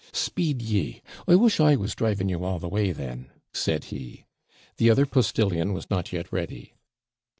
'Speed ye! I wish I was driving you all the way, then,' said he. The other postillion was not yet ready.